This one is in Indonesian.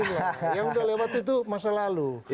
yang sudah lewat itu masa lalu